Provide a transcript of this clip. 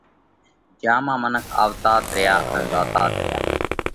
جيا مانه منک آوَتات ريا ان زاتات ريا۔